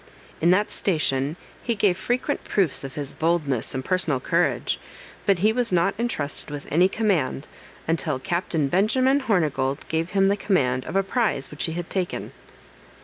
In that station he gave frequent proofs of his boldness and personal courage; but he was not entrusted with any command until Captain Benjamin Hornigold gave him the command of a prize which he had taken.